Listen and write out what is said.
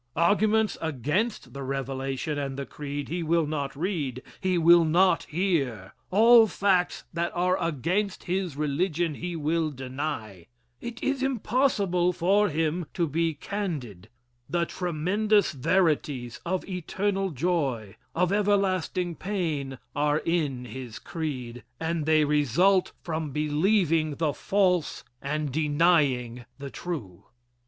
Arguments against the revelation and the creed he will not read, he will not hear. All facts that are against his religion he will deny. It is impossible for him to be candid. The tremendous "verities" of eternal joy, of everlasting pain are in his creed, and they result from believing the false and denying the true.